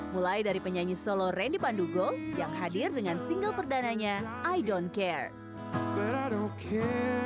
mulai dari penyanyi solo randy pandugo yang hadir dengan single perdananya i don't care